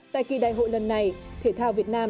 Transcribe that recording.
tại kỳ đại hội lần này thể thao việt nam